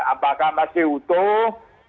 apakah masih utuh